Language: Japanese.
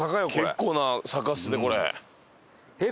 結構な坂っすねこれ。